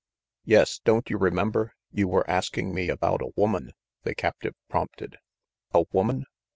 "Yes, don't you remember, you were asking me about a woman?" the captive prompted. "A woman?"